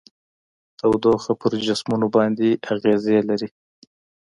تودوخه پر جسمونو باندې اغیزې لري.